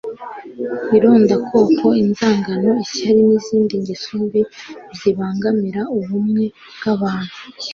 irondakoko, inzangano, ishyari n'izindi ngeso mbi zibangamira ubumwe bw'abantu